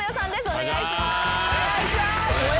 お願いします。